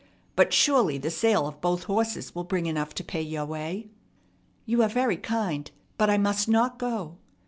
But surely the sale of both horses will bring enough to pay your way." "You are very kind, but I must not go."